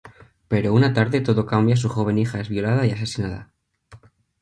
Pero una tarde todo cambia su joven hija es violada y asesinada.